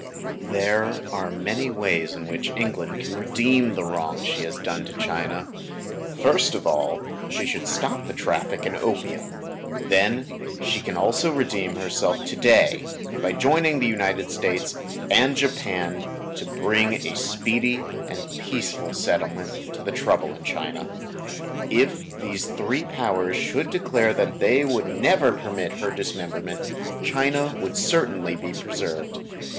There are many ways in which England can redeem the wrong she has done to China. First of all, she should stop the traffic in opium. Then she can also redeem herself to day by joining the[Pg 173] United States and Japan to bring about a speedy and peaceful settlement of the trouble in China. If these three powers should declare that they would never permit her dismemberment, China would certainly be preserved.